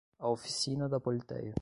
A oficina da Politeia